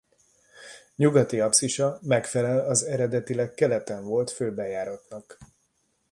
Nyugati apszisa megfelel az eredetileg keleten volt főbejáratnak.